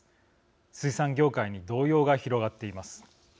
水産業界に動揺が広がっています。